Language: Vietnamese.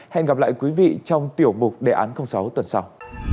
hẹn gặp lại quý vị trong tiểu mục đề án sáu tuần sau